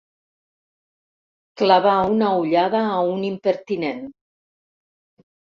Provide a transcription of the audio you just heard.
Clavar una ullada a un impertinent.